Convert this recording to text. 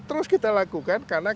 terus kita lakukan karena